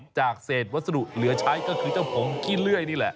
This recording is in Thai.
จากเศษวัสดุเหลือใช้ก็คือเจ้าผงขี้เลื่อยนี่แหละ